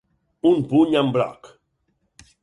Un puny amb broc.